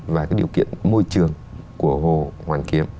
và cái điều kiện môi trường của hồ hoàn kiếm